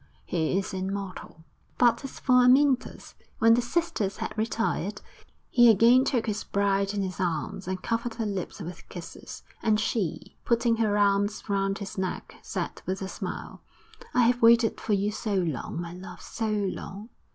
he is immortal. But as for Amyntas, when the sisters had retired, he again took his bride in his arms, and covered her lips with kisses; and she, putting her arms round his neck, said with a smile, 'I have waited for you so long, my love, so long!'